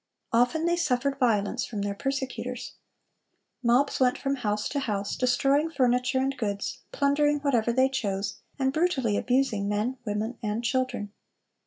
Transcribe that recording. Often they suffered violence from their persecutors. Mobs went from house to house, destroying furniture and goods, plundering whatever they chose, and brutally abusing men, women, and children.